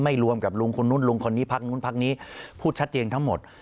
ไม่รวมกับลุงคนนู้นลุงคนนี้พรรคนู้นพรรคนี้พูดชัดเจียงทั้งหมด